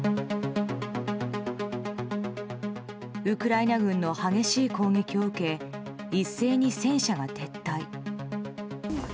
ウクライナ軍の激しい攻撃を受け一斉に戦車が撤退。